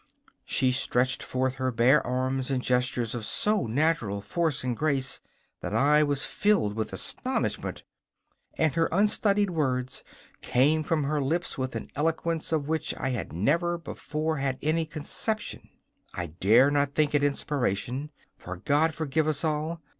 She stretched forth her bare arms in gestures of so natural force and grace that I was filled with astonishment, and her unstudied words came from her lips with an eloquence of which I had never before had any conception. I dare not think it inspiration, for, God forgive us all!